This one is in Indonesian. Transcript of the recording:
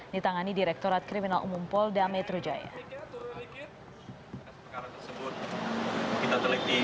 ditangani direktorat kriminal umum polda metro jaya